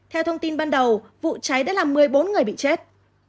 theo thông tin ban đầu vụ cháy đã làm một mươi bốn người bị chết